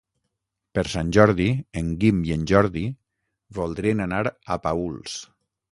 Per Sant Jordi en Guim i en Jordi voldrien anar a Paüls.